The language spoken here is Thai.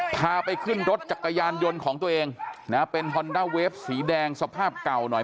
พาไปขึ้นรถจักรยานยนต์ของตัวเองนะเป็นฮอนด้าเวฟสีแดงสภาพเก่าหน่อย